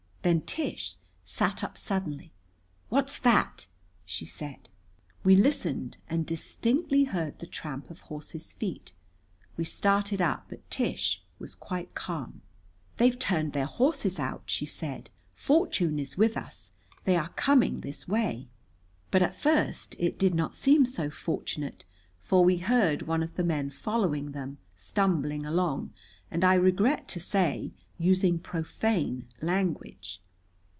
Then Tish sat up suddenly. "What's that?" she said. We listened and distinctly heard the tramp of horses' feet. We started up, but Tish was quite calm. "They've turned their horses out," she said. "Fortune is with us. They are coming this way." But at first it did not seem so fortunate, for we heard one of the men following them, stumbling along, and, I regret to say, using profane language.